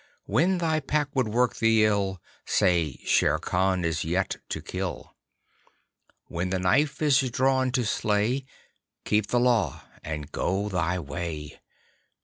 When thy Pack would work thee ill, Say: "Shere Khan is yet to kill." When the knife is drawn to slay, Keep the Law and go thy way.